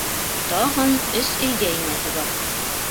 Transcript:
Тағын өс өйгә инәһе бар.